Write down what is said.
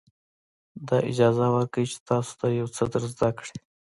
دا اجازه ورکړئ چې تاسو ته یو څه در زده کړي.